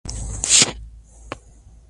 د هغې قوم نه دی معلوم.